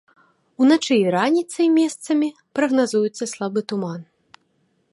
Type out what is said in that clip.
Уначы і раніцай месцамі прагназуецца слабы туман.